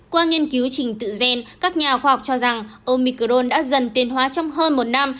qua nghiên cứu trình tự gen các nhà khoa học cho rằng omicron đã dần tiền hóa trong hơn một năm